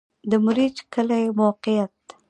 د مريچ کلی موقعیت